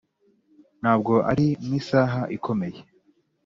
ntabwo ari mu isaha ikomeye,